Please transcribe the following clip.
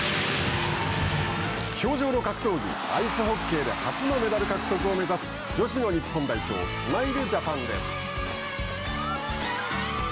氷上の格闘技アイスホッケーで初のメダル獲得を目指す女子の日本代表スマイルジャパンです。